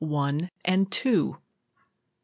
ONE AND TWO. I.